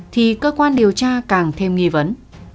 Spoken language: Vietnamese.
thì cơ quan điều tra càng thêm nghi vấn